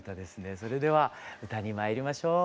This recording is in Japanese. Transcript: それでは歌にまいりましょう。